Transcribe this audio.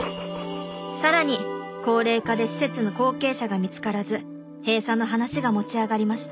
更に高齢化で施設の後継者が見つからず閉鎖の話が持ち上がりました。